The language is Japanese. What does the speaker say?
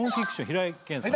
平井堅さん